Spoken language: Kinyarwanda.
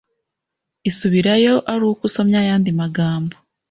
isubirayo aruko usomye ayandi magambo